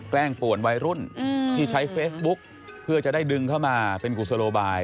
ป่วนวัยรุ่นที่ใช้เฟซบุ๊กเพื่อจะได้ดึงเข้ามาเป็นกุศโลบาย